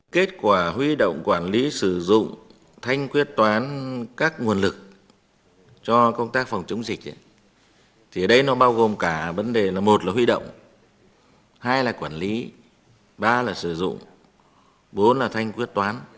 kết quả huy động quản lý sử dụng thanh quyết toán các nguồn lực cho công tác phòng chống dịch thì ở đây nó bao gồm cả vấn đề là một là huy động hai là quản lý ba là sử dụng bốn là thanh quyết toán